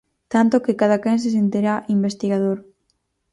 Tanto que cadaquén se sentirá investigador.